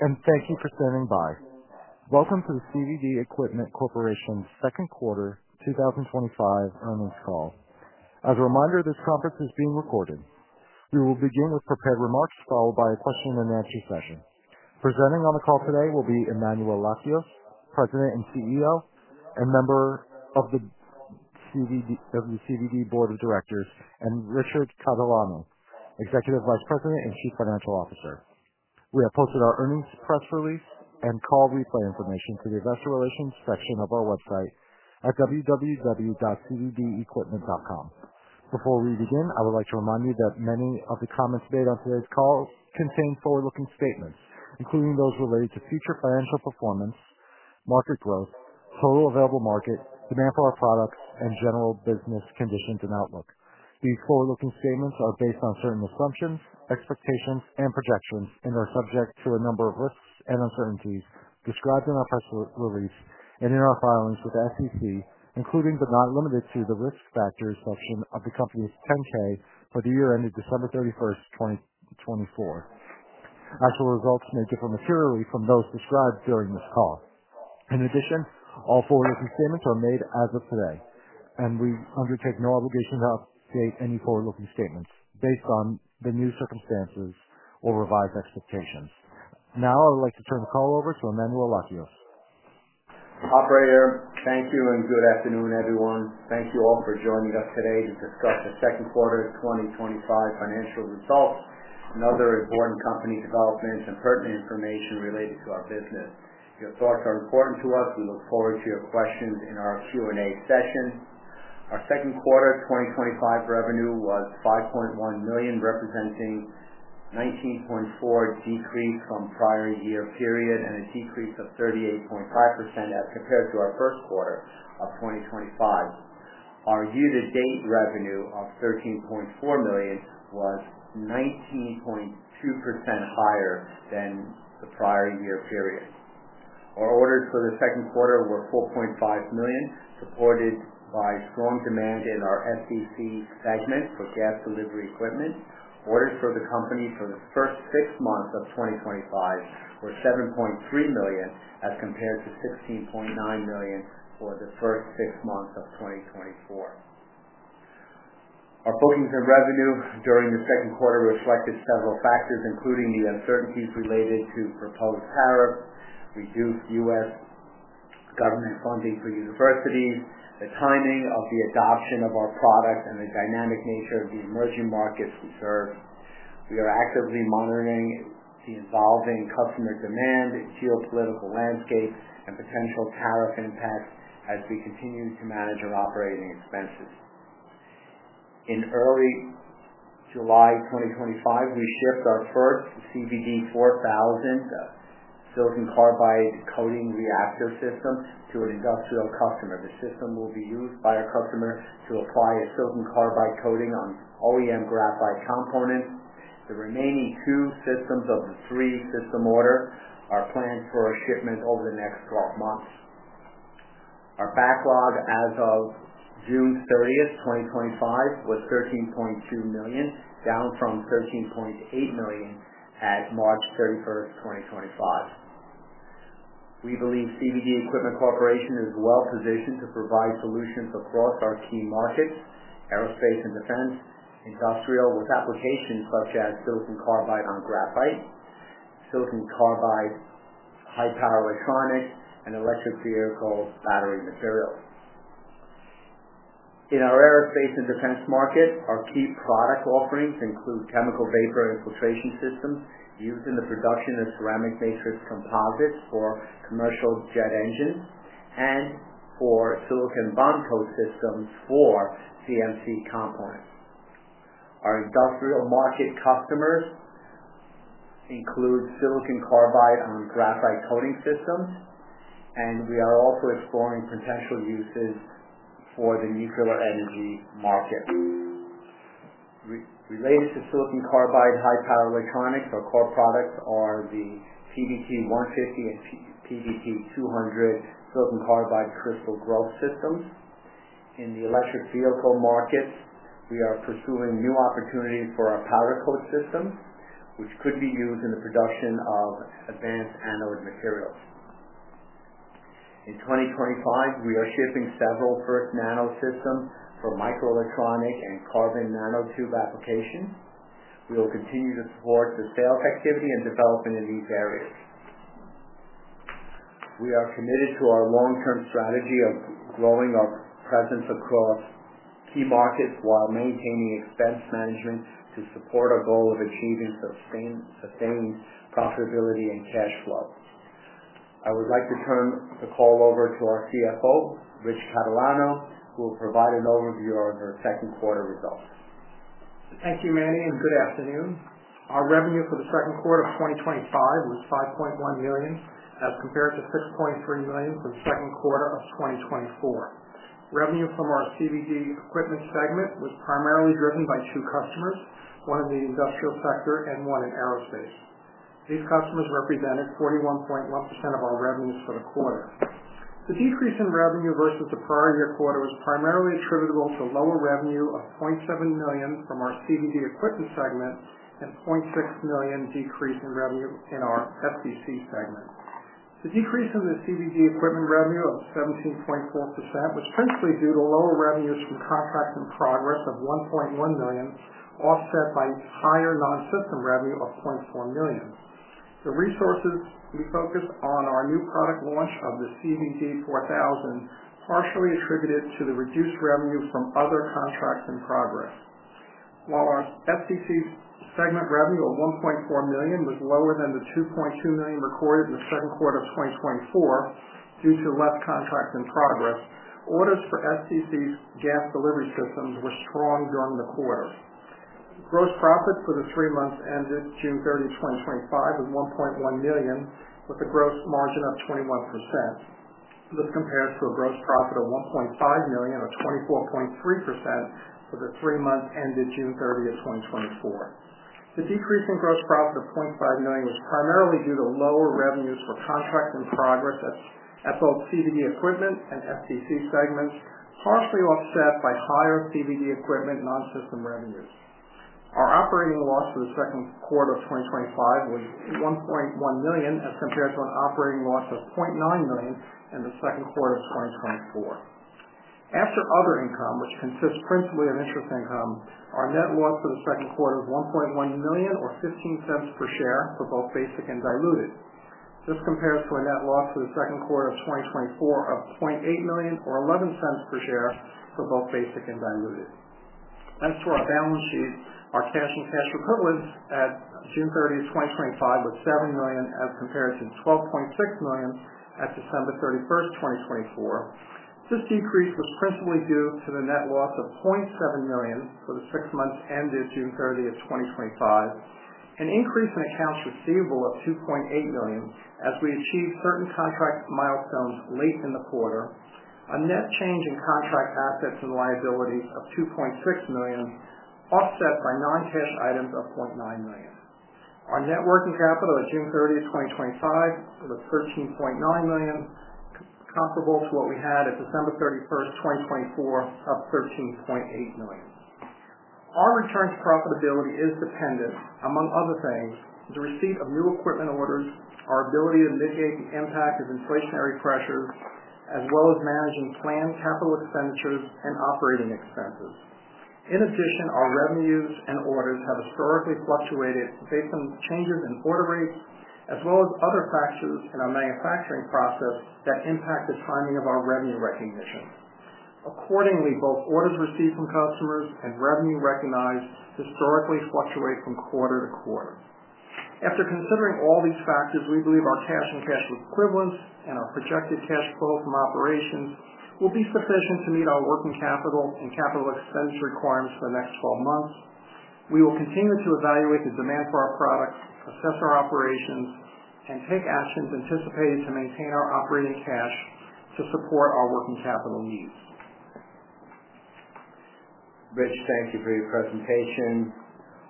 Thank you for standing by. Welcome to the CVD Equipment Corporation's Second Quarter 2025 Earnings Call. As a reminder, this conference is being recorded. We will begin with prepared remarks followed by a question-and-answer session. Presenting on the call today will be Emmanuel Lakios, President and CEO, and member of the CVD Board of Directors, and Richard Catalano, Executive Vice President and Chief Financial Officer. We have posted our earnings press release and call replay information to the events and listing section of our website at www.cvdequipment.com. Before we begin, I would like to remind you that many of the comments made on today's call contain forward-looking statements, including those related to future financial performance, market growth, total available market, demand for our product, and general business conditions and outlook. These forward-looking statements are based on certain assumptions, expectations, and projections, and are subject to a number of risks and uncertainty described in our practical reach and in our filings with the SEC, including but not limited to the risk factors of the company's 10-K for the year ended December 31, 2024. Actual results may differ materially from those described during this call. In addition, all forward-looking statements are made as of today, and we undertake no obligation to update any forward-looking statements based on new circumstances or revised expectations. Now I would like to turn the call over to Emmanuel Lakios. Operator, thank you and good afternoon, everyone. Thank you all for joining us today to discuss the second quarter 2025 financial results, another important company development, and pertinent information related to our business. Your thoughts are important to us. We look forward to your questions in our Q&A session. Our second quarter 2025 revenue was $5.1 million, representing a 19.4% decrease from prior year period and a decrease of 38.5% as compared to our first quarter of 2025. Our year-to-date revenue of $13.4 million was 19.2% higher than the prior year period. Our orders for the second quarter were $4.5 million, supported by strong demand in our FCC segment for gas delivery equipment. Orders for the company for the first six months of 2025 were $7.3 million as compared to $16.9 million for the first six months of 2024. Our bookings and revenue during the second quarter reflected several factors, including the uncertainties related to proposed tariffs, reduced U.S. government funding for universities, the timing of the adoption of our product, and the dynamic nature of the emerging markets we serve. We are actively monitoring the evolving customer demand, geopolitical landscape, and potential tariff impacts as we continue to manage our operating expenses. In early July 2025, we shipped our first CVD4000 silicon carbide coating reactor system to an industrial customer. The system will be used by a customer to apply a silicon carbide coating on OEM graphite components. The remaining two systems of the three system orders are planned for shipment over the next 12 months. Our backlog as of June 30th, 2025, was $13.2 million, down from $13.8 million at March 31st, 2025. We believe CVD Equipment Corporation is well positioned to provide solutions across our key markets: aerospace and defense, industrial with applications such as silicon carbide on graphite, silicon carbide high-power electronics, and electric vehicle battery materials. In our aerospace and defense market, our key product offerings include chemical vapor infiltration systems used in the production of ceramic matrix composites for commercial jet engines and for silicon bond post systems for CMC components. Our industrial market customers include silicon carbide on graphite coating systems, and we are also exploring potential uses for the nuclear energy market. Related to silicon carbide high-power electronics, our core products are the PVT150 and PVT200 silicon carbide crystal growth systems. In the electric vehicle markets, we are pursuing new opportunities for our powder coat systems, which could be used in the production of advanced anode materials. In 2025, we are shipping several FirstNano systems for microelectronic and carbon nanotube applications. We will continue to support the sales activity and development in these areas. We are committed to our long-term strategy of growing our presence across key markets while maintaining expense management to support our goal of achieving sustained profitability and cash flow. I would like to turn the call over to our CFO, Rich Catalano, who will provide an overview of our second quarter results. Thank you, Manny, and good afternoon. Our revenue for the second quarter of 2025 was $5.1 million, as compared to $6.3 million for the second quarter of 2024. Revenue from our CVD Equipment segment was primarily driven by two customers, one in the industrial sector and one in aerospace. These customers represented 41.1% of our revenues for the quarter. The decrease in revenue versus the prior year quarter was primarily attributable to lower revenue of $700,000 from our CVD Equipment segment and a $600,000 decrease in revenue in our FDC segment. The decrease in the CVD Equipment revenue of 17.4% was principally due to lower revenues from contracts in progress of $1.1 million, offset by higher non-system revenue of $400,000. The resources we focused on our new product launch of the CVD4000 partially attributed to the reduced revenue from other contracts in progress. While our FDC segment revenue of $1.4 million was lower than the $2.2 million recorded in the second quarter of 2024 due to less contracts in progress, orders for FCC's gas delivery systems were strong during the quarter. The gross profit for the three months ended June 30, 2025, was $1.1 million, with a gross margin of 21%. This compares to a gross profit of $1.5 million at 24.3% for the three months ended June 30, 2024. The decrease in gross profit of $500,000 was primarily due to lower revenues for contracts in progress at both CVD Equipment and FCC segments, partially offset by higher CVD Equipment non-system revenues. Our operating loss for the second quarter of 2025 was $1.1 million, as compared to an operating loss of $900,000 in the second quarter of 2024. After other income, which consists principally of interest income, our net loss for the second quarter is $1.1 million or $0.15 per share for both basic and diluted. This compares to a net loss for the second quarter of 2024 of $800,000 or $0.11 per share for both basic and diluted. As for our balance sheet, our cash and cash equivalents at June 30, 2025, was $7 million, as compared to $12.6 million at December 31st, 2024. This decrease was principally due to the net loss of $700,000 for the six months ended June 30, 2025, an increase in accounts receivable of $2.8 million as we achieved certain contract milestones late in the quarter, a net change in contract assets and liabilities of $2.6 million, offset by non-tax items of $900,000. Our working capital at June 30, 2025, was $13.9 million, comparable to what we had at December 31st, 2024, of $13.8 million. Our returns profitability is dependent, among other things, on the receipt of new equipment orders, our ability to mitigate the impact of inflationary pressures, as well as managing planned capital expenditures and operating expenses. In addition, our revenues and orders have historically fluctuated based on changes in order rates, as well as other factors in our manufacturing process that impact the timing of our revenue recognition. Accordingly, both orders received from customers and revenue recognized historically fluctuate from quarter to quarter. After considering all these factors, we believe our cash and cash equivalents and our projected cash flow from operations will be sufficient to meet our working capital and capital expenditure requirements for the next 12 months. We will continue to evaluate the demand for our product, assess our operations, and take actions anticipated to maintain our operating cash to support our working capital needs. Rich, thank you for your presentation.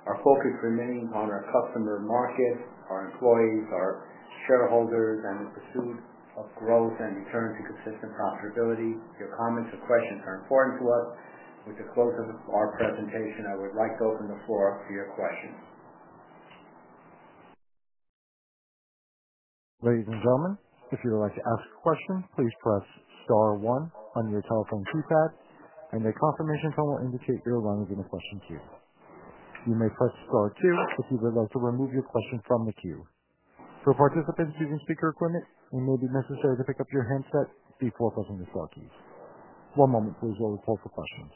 Our focus remains on our customer market, our employees, our shareholders, and the pursuit of growth and return to consistent profitability. Your comments or questions are important to us. With the close of our presentation, I would like to open the floor up for your questions. Ladies and gentlemen, if you would like to ask questions, please press star one on your telephone keypad, and a confirmation tone will indicate you're in the question queue. You may press star two to remove your questions from the queue. For participants using speaker equipment, it may be necessary to pick up your handset before pressing the star key. One moment, please, we'll take your questions.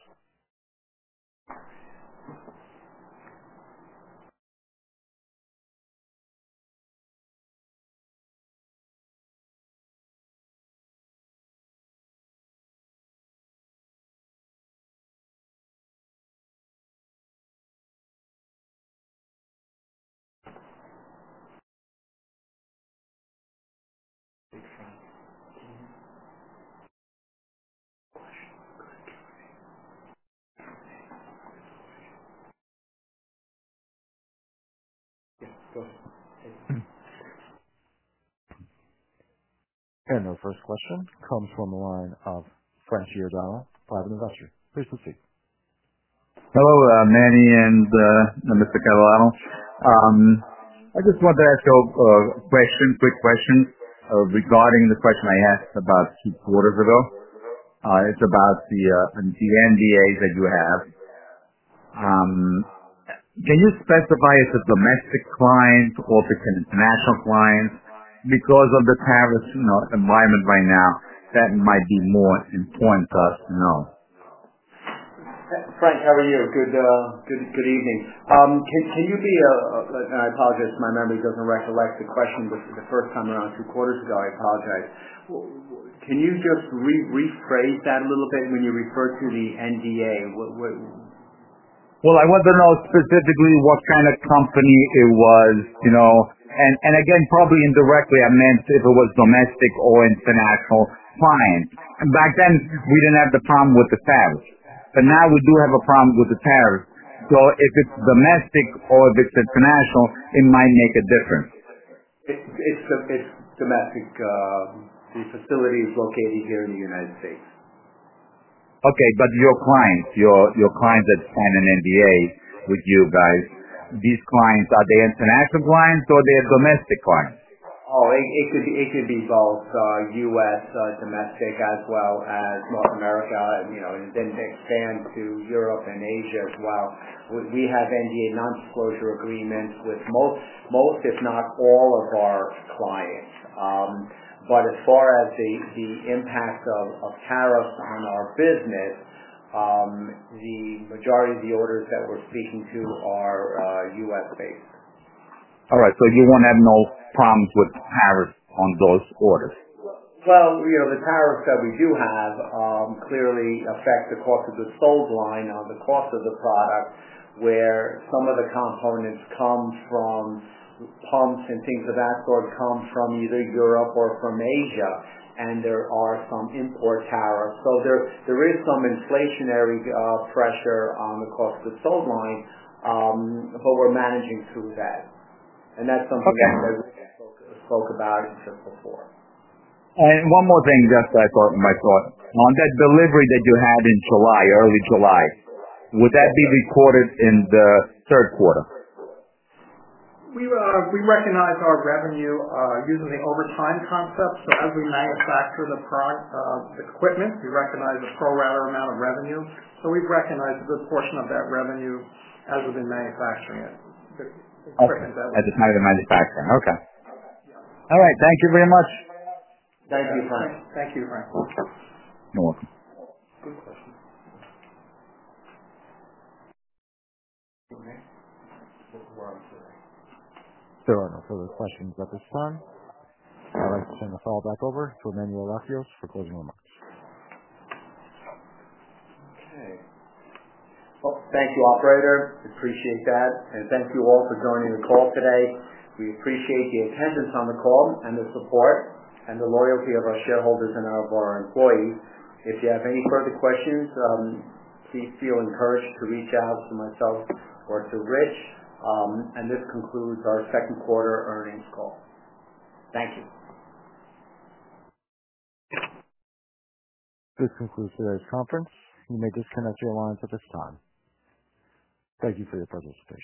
Our first question comes from the line of Frank Barbella, private investor. Please proceed. Hello, Manny and Mr. Catalano. I just wanted to ask you a question regarding the question I asked about a few quarters ago. It's about the NDAs that you have. Can you specify if it's a domestic client or if it's an international client? Because of the tariff environment right now, that might be more important for us to know. Frank, how are you? Good evening. Can you be, and I apologize, my memory doesn't recollect the question, which is the first time around two quarters ago. I apologize. Can you just rephrase that a little bit when you refer to the NDA? I want to know specifically what kind of company it was, you know. Probably indirectly, I meant if it was a domestic or international client. Back then, we didn't have the problem with the tariffs. Now we do have a problem with the tariffs. If it's domestic or if it's international, it might make a difference. It's domestic. The facility is located here in the United States. Okay, your clients that signed an NDA with you guys, these clients, are they international clients or are they domestic clients? Oh, it could be both. U.S. domestic as well as North America, and you know, then expand to Europe and Asia as well. We have NDA, non-disclosure agreements, with most, most if not all of our clients. As far as the impact of tariffs on our business, the majority of the orders that we're speaking to are U.S.-based. All right. You won't have no problems with tariffs on those orders? The tariffs that we do have clearly affect the cost of the sold line on the cost of the product, where some of the components come from pumps and things of that sort come from either Europe or from Asia, and there are some import tariffs. There is some inflationary pressure on the cost of goods sold line, but we're managing through that. That's something that we spoke about in circle four. One more thing, just like on my thought, on that delivery that you had in July, early July, would that be recorded in the third quarter? We recognize our revenue using the overtime concept. As we manufacture the product equipment, we recognize the pro-rata amount of revenue. We've recognized a good portion of that revenue as we've been manufacturing it. At the time of manufacturing. Thank you very much. Thank you, Frank. You're welcome. No further questions at this time. I'd like to turn the call back over to Emmanuel Lakios for closing remarks. Thank you, operator. Appreciate that. Thank you all for joining the call today. We appreciate the attendance on the call and this report and the loyalty of our shareholders and of our employees. If you have any further questions, please feel encouraged to reach out to myself or to Rich. This concludes our second quarter earnings call. This concludes today's conference. You may disconnect your lines at this time. Thank you for your participation.